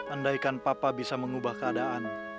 andaikan papa bisa mengubah keadaan